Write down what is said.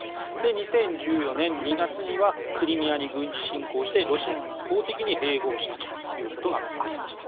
２０１４年２月にはクリミアに軍事侵攻してロシアが一方的に併合したということがありました。